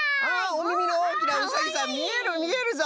おみみのおおきなうさぎさんみえるみえるぞ！